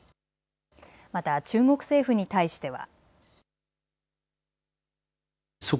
また中国政府に対しては。